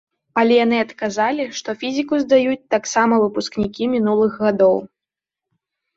Але яны адказалі, што фізіку здаюць таксама выпускнікі мінулых гадоў.